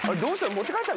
持って帰ったの？